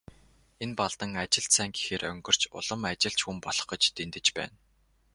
Энэ Балдан ажилд сайн гэхээр онгирч, улам ажилч хүн болох гэж дэндэж байна.